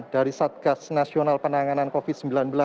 dari satgas nasional penanganan covid sembilan belas